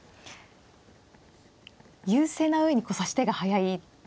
優勢な上に指し手が速いという。